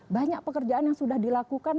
banyak pekerjaan yang sudah dilakukan